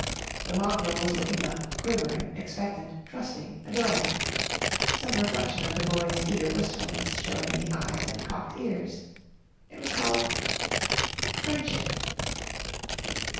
The mongrel was looking up, quivering, expectant, trusting, adoring, some reflection of the boy's eager wistfulness showing in the eyes and cocked ears. It was called "Friendship."